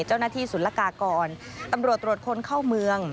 เจ้าหน้าที่สุรกากรตำรวจตรวจคนเข้าเมือง